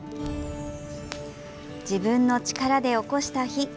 自分の力でおこした火。